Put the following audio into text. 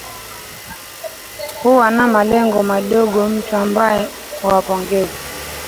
huwa na malengo madogo mtu ambaye huwapongeza